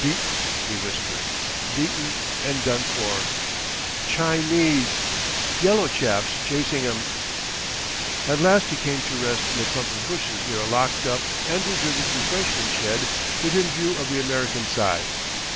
"Beaten," he whispered. "Beaten and done for... Chinese! Yellow chaps chasing 'em!" At last he came to rest in a clump of bushes near a locked up and deserted refreshment shed within view of the American side.